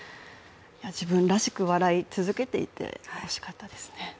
自分らしく笑い続けていてほしかったですね。